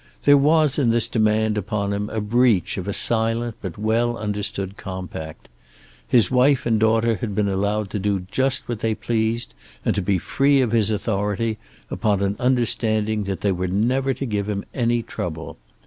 There was in this demand upon him a breach of a silent but well understood compact. His wife and daughter had been allowed to do just what they pleased and to be free of his authority, upon an understanding that they were never to give him any trouble.